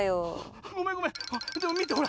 ごめんごめんでもみてほら。